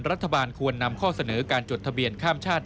รัฐบาลควรนำข้อเสนอการจดทะเบียนข้ามชาติ